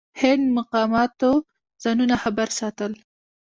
هند مقاماتو ځانونه خبر ساتل.